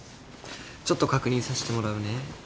ちょっと確認させてもらうね。